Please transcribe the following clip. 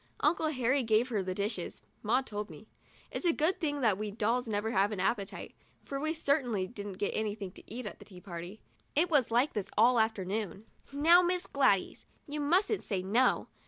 Uncle Harry gave her her dishes, Maud told me. It's a good thing that we dolls never have any appetite, for we certainly didn't get anything to eat at that tea party. It was like this all afternoon. 'Now, Miss Gladys, you mustn't say 'no.'